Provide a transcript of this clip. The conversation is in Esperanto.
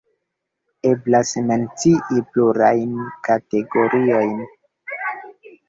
Eblas mencii plurajn kategoriojn.